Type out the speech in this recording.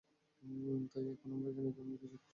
তাই এখন আমরা জানি আমরা কিসের খোঁজ করছি।